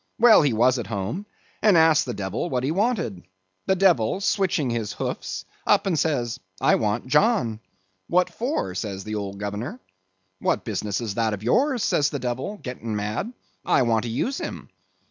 Well, he was at home, and asked the devil what he wanted. The devil, switching his hoofs, up and says, 'I want John.' 'What for?' says the old governor. 'What business is that of yours,' says the devil, getting mad,—'I want to use him.